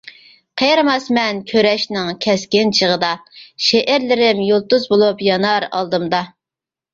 قېرىماسمەن كۈرەشنىڭ كەسكىن چېغىدا، شېئىرلىرىم يۇلتۇز بولۇپ يانار ئالدىمدا.